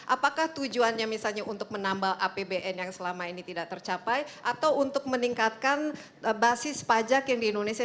apakah tujuannya misalnya untuk menambah apbn yang selama ini tidak tercapai atau untuk meningkatkan basis pajak yang di indonesia